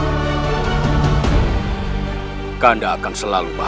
nunggu kakanda kita akan stickingparty